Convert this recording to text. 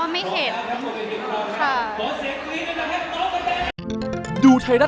ไม่เคยเจอค่ะ